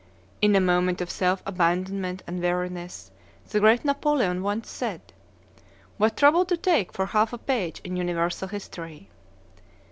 In a moment of self abandonment and weariness, the great Napoleon once said, "What trouble to take for half a page in universal history!"